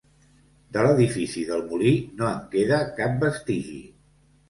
De l'edifici del molí no en queda cap vestigi.